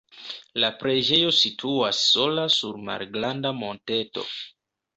La preĝejo situas sola sur malgranda monteto.